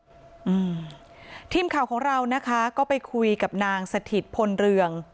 อืมทีมข่าวของเรานะคะก็ไปคุยกับนางสถิตพลเรือง